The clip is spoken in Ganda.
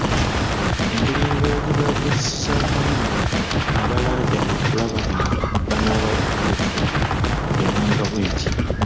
Engeri endala gye baagezesangamu abalajjana okulaba nga banaaba "batuufu" yabanga bweti